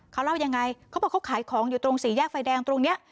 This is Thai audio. เขาเล่ายังไงเขาบอกเขาขายของอยู่ตรงสี่แยกไฟแดงตรงนี้